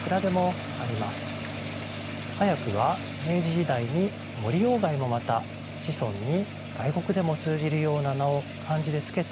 早くは明治時代に森外もまた子孫に外国でも通じるような名を漢字で付けていました。